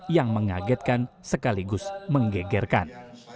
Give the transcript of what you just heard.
yang mengagetkan sekaligus menggegerkan